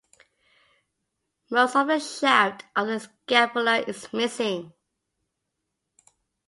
Most of the shaft of the scapula is missing.